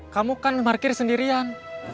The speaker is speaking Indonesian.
kamu kan parkir sendirian